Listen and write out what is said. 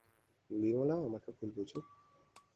বিমলাও আমাকে ভুল বুঝুক।